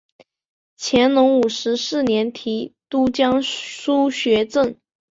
乾隆五十四年提督江苏学政。